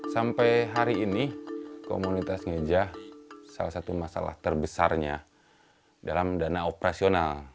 sampai hari ini komunitas ngeja salah satu masalah terbesarnya dalam dana operasional